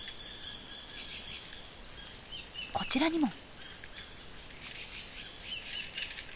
こちらにも。